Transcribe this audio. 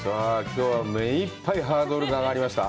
きょうは目いっぱいハードルが上がりました。